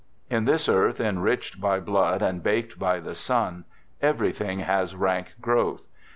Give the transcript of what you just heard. In this earth enriched by blood and baked by the sun, everything has rank growth.